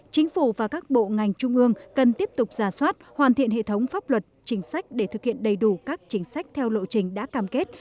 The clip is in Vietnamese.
chính phủ và các bộ ngành trung ương cần tiếp tục giả soát hoàn thiện hệ thống pháp luật chính sách để thực hiện đầy đủ các chính sách theo lộ trình đã cam kết